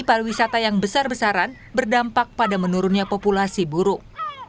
pariwisata yang besar besaran berdampak pada menurunnya populasi buruk